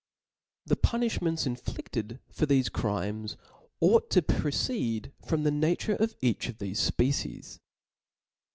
The puniQi ments inftifted for thefc crimes ought to* proceed from the nature of eath of thcfe fpecies.